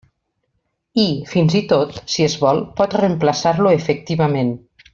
I, fins i tot, si es vol, pot reemplaçar-lo efectivament.